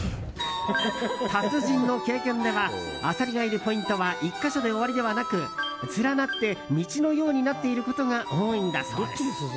達人の経験ではアサリがいるポイントは１か所で終わりではなく連なって道のようになっていることが多いんだそうです。